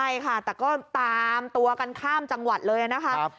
ใช่ค่ะแต่ก็ตามตัวกันข้ามจังหวัดเลยนะคะ